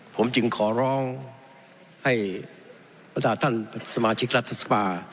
ผมจึงขอร้องให้ประสานท่านสมาชิกรัฐสภา